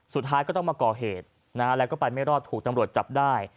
สุดท้ายก็ต้องมาก่อเหตุนะฮะแล้วก็ไปไม่รอดถูกตำรวจจับได้